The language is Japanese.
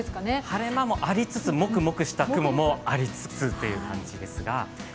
晴れ間もありつつ、モクモクした雲もありつつという感じです。